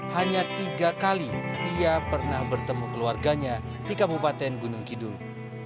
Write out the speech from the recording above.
hanya tiga kali ia pernah bertemu keluarganya di kabupaten gunung kidul